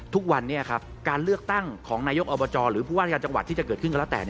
ทุกวันนี้การเลือกตั้งของนายกอบจหรือผู้ว่าราชการจังหวัดที่จะเกิดขึ้นก็แล้วแต่